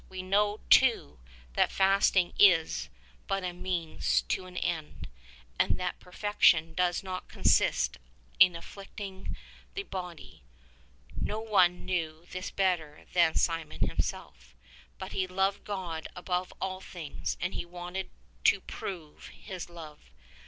We know, too, that fasting is but a means to an end, and that perfection does not consist in afflicting the body. No one knew this better than Simeon himself, but he loved God above all things and he wanted to prove his love.